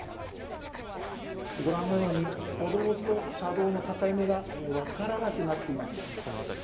ご覧のように歩道と車道の境目が分からなくなっています。